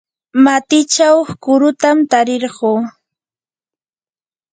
matichaw kurutam tarirquu.